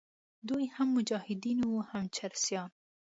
دوی هم مجاهدین وو او هم چرسیان.